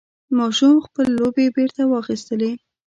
ماشوم خپل لوبعې بېرته واخیستلې.